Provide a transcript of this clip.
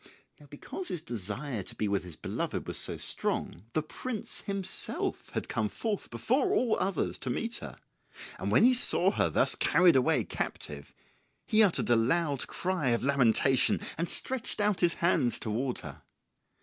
Now because his desire to be with his beloved was so strong, the prince himself had come forth before all others to meet her; and when he saw her thus carried away captive, he uttered a loud cry of lamentation, and stretched out his hands toward her.